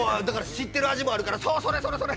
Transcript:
◆知ってる味もあるからそう、それそれそれ！